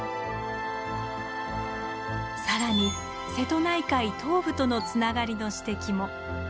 更に瀬戸内海東部とのつながりの指摘も。